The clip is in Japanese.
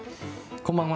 こんばんは。